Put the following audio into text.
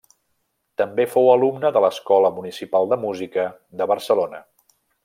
També fou alumne de l'Escola Municipal de Música de Barcelona.